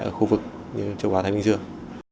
ở khu vực như châu á thái bình dương